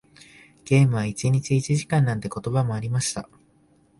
ゲームは一日一時間なんて言葉もありました。